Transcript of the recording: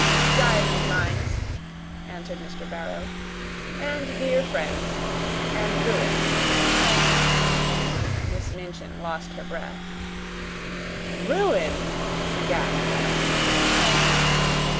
"Diamond mines," answered Mr. Barrow, "and dear friends and ruin." Miss Minchin lost her breath. "Ruin!" she gasped out.